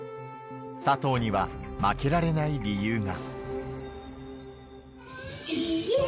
佐藤には負けられない理由が。